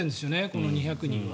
この２００人は。